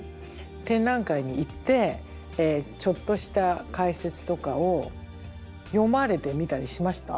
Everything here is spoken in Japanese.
展覧会に行ってちょっとした解説とかを読まれてみたりしました？